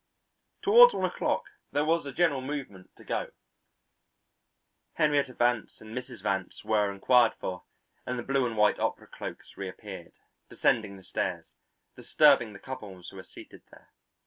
Toward one o'clock there was a general movement to go. Henrietta Vance and Mrs. Vance were inquired for, and the blue and white opera cloaks reappeared, descending the stairs, disturbing the couples who were seated there.